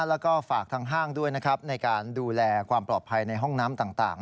แล้วก็ฝากทางห้างด้วยนะครับในการดูแลความปลอดภัยในห้องน้ำต่าง